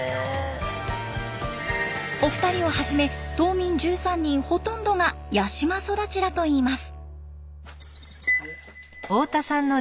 お二人をはじめ島民１３人ほとんどが八島育ちだといいます。